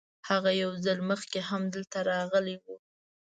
هغه یو ځل مخکې هم دلته راغلی و.